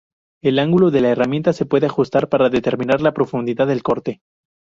El ángulo de la herramienta se puede ajustar para determinar la profundidad del corte.